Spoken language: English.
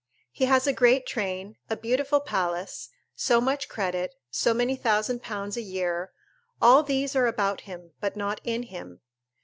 He has a great train, a beautiful palace, so much credit, so many thousand pounds a year: all these are about him, but not in him.